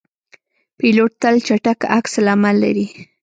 پیلوټ تل چټک عکس العمل لري.